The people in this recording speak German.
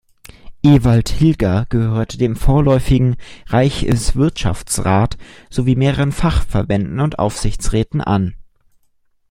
Ewald Hilger gehörte dem Vorläufigen Reichswirtschaftsrat sowie mehreren Fachverbänden und Aufsichtsräten an.